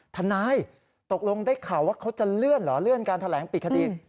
ทนายตกลงได้ข่าวว่าเขาจะเลื่อนเหรอเลื่อนการแถลงปิดคดี